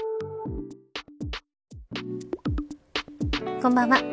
こんばんは。